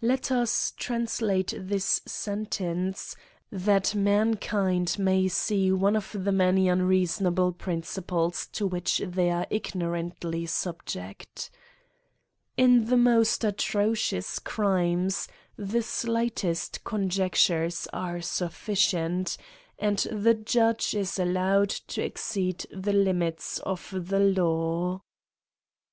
Let us translate this sentence, that mankind may see one of the many unreasonable principles to which they are ignorantly subject. In the most atrocious crimes^ the slightest conjectures are sufficients and the judge is allowed to exceed the limits of the law..